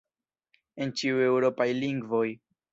En ĉiuj eŭropaj lingvoj.